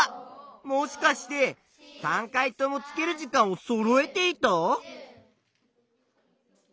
もしかして３回とも付ける時間をそろえていた？